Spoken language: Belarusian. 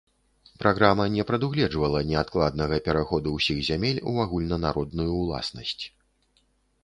Праграма не прадугледжвала неадкладнага пераходу ўсіх зямель у агульнанародную ўласнасць.